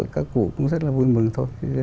các cụ cũng rất là vui mừng thôi